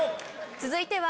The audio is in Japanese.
続いては。